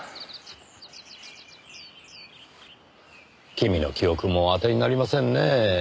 君の記憶も当てになりませんねぇ。